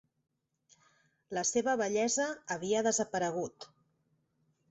La seva bellesa havia desaparegut.